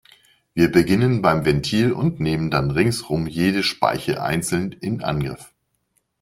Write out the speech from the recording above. Wir beginnen beim Ventil und nehmen dann ringsum jede Speiche einzeln in Angriff.